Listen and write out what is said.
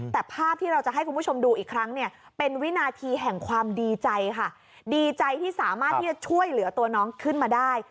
แต่ภาพที่เราจะให้คุณผู้ชมดูอีกครั้งเนี่ยเป็นวินาทีแห่งความดีใจค่ะดีใจที่สามารถที่จะช่วยเหลือตัวน้องขึ้นมาได้